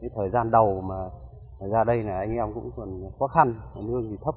thời gian đầu mà ra đây anh em cũng còn khó khăn nương thì thấp